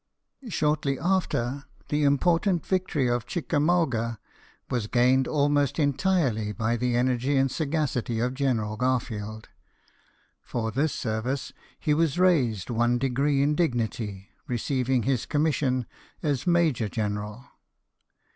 Siiortly after, the important victory of Chick amauga was gained almost entirely by the energy and sagacity of General Garfield. For 158 BIOGRAPHIES OF WORKING MEN. this service, he was raised one degree in dignity, receiving his commission as Major General.